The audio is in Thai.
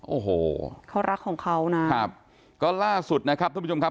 โอ้โหเขารักของเขานะครับก็ล่าสุดนะครับทุกผู้ชมครับ